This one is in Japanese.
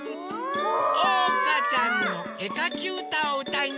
おうかちゃんのえかきうたをうたいながらかきました。